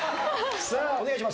さあお願いします。